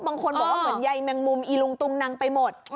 บางคนบอกว่าเหมือนใยแมงมุมอีลุงตุงนังไปหมด